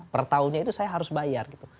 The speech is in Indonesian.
pertahunya itu saya harus bayar gitu